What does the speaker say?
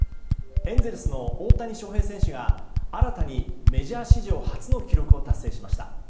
エンゼルスの大谷翔平選手が新たにメジャー史上初の記録を達成しました。